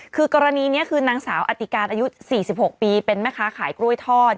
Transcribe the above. คือกรณีนี้คือนางสาวอติการอายุ๔๖ปีเป็นแม่ค้าขายกล้วยทอด